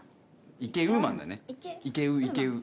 イケウーマンだねイケウーイケウー。